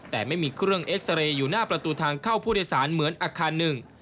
แต่ไม่มีเครื่องเอ็กซาเรย์อยู่หน้าประตูทางเข้าผู้โดยสารเหมือนอาคารหนึ่ง